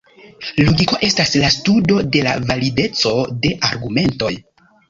Logiko estas la studo de la valideco de argumentoj.